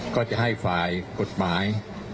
ก็จะให้ฝ่ายกฎหมาย